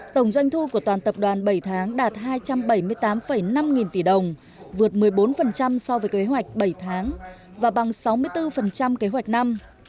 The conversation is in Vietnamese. tổng doanh thu của toàn tập đoàn bảy tháng đạt hai trăm bảy mươi tám năm nghìn tỷ đồng vượt một mươi bốn so với kế hoạch bảy tháng và bằng sáu mươi bốn kế hoạch năm